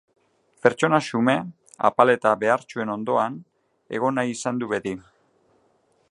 Pertsona xume, apal eta behartsuen ondoan egon nahi izan du beti.